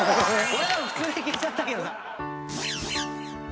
俺らも普通に聞いちゃったけどさ」